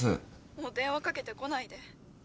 ☎もう電話かけてこないで。